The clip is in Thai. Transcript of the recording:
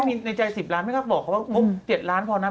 มีในใจ๑๐ล้านไม่ก็บอกเขาว่างบ๗ล้านพอนะ